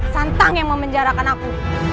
santang yang memenjarakan aku